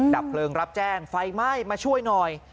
ดับเพลิงรับแจ้งไฟไหม้มาช่วยหน่อย